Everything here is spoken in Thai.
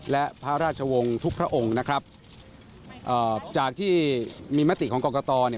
และพระราชวงศ์ทุกพระองค์นะครับเอ่อจากที่มีมติของกรกตเนี่ย